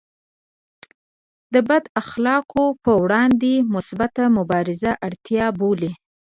د بد اخلاقیو پر وړاندې مثبته مبارزه اړتیا بولي.